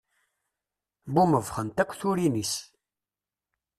Bumebbxent akk turin-is.